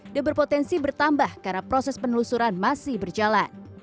dan berpotensi bertambah karena proses penelusuran masih berjalan